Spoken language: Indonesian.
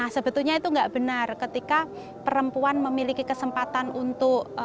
sebetulnya itu nggak benar ketika perempuan memiliki kesempatan untuk